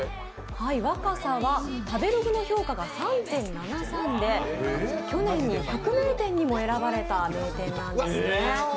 若狭は食べログの評価が３．７３で去年、百名店にも選ばれた名店なんです。